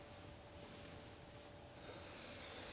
うん。